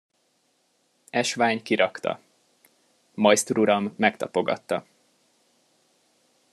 Esvány kirakta. Majsztruram megtapogatta.